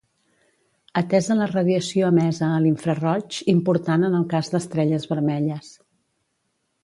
Atesa la radiació emesa a l'infraroig important en el cas d'estrelles vermelles.